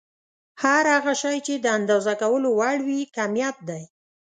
هر هغه شی چې د اندازه کولو وړ وي کميت دی.